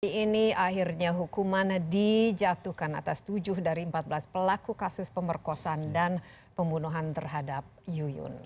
di ini akhirnya hukuman dijatuhkan atas tujuh dari empat belas pelaku kasus pemerkosaan dan pembunuhan terhadap yuyun